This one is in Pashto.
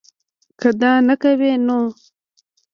کۀ دا نۀ کوي نو